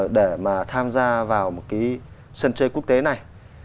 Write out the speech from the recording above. để mà tham gia vào một cái sân chơi quốc tế này